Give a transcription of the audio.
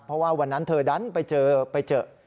เพราะว่าวันนั้นเธอดันไปเจอไปเจอ